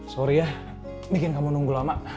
sorry ya bikin kamu nunggu lama